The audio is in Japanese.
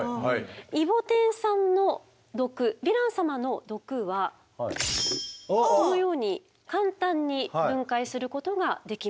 イボテン酸の毒ヴィラン様の毒はこのように簡単に分解することができます。